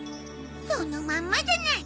そのまんまじゃない！